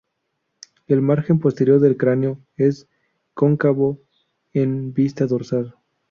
El margen posterior del cráneo es cóncavo en vista dorsal.